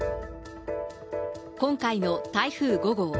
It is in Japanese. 今回の台風５号。